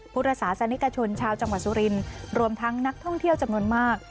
พุทธศาสนิกชนชาวจังหวัดสุรินรวมทั้งนักท่องเที่ยวจำนวนมาก